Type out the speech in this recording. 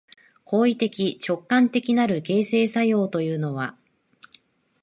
行為的直観的なる形成作用というのは、